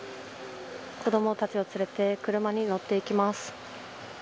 子どもたちを連れて車に乗っていきます。